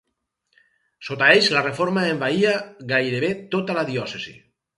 Sota ells la Reforma envaïa gairebé tota la diòcesi.